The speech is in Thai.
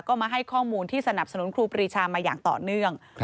ก็มาให้ข้อมูลที่สนับสนุนครูปรีชามาอย่างต่อเนื่อง